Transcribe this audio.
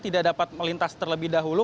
tidak dapat melintas terlebih dahulu